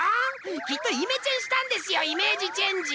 きっとイメチェンしたんですよイメージチェンジ。